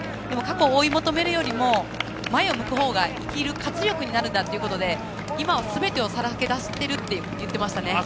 でも過去を追い求めるよりも前を向くほうが生きる活力になるんだということで今はすべてをさらけ出していると言っていました。